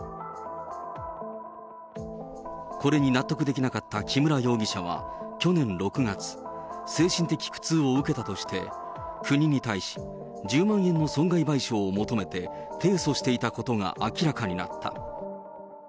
これに納得できなかった木村容疑者は去年６月、精神的苦痛を受けたとして、国に対し、１０万円の損害賠償を求めて提訴していたことが明らかになった。